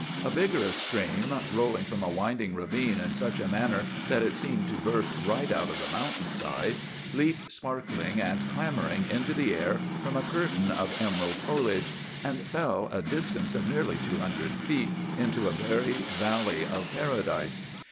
A vigorous stream, rolling from a winding ravine in such a manner that it seemed to burst right out of the mountain side, leaped sparkling and clamoring into the air from a curtain of emerald foliage, and fell a distance of nearly two hundred feet into a very valley of paradise.